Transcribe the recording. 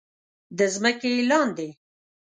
د ځمکې لاندې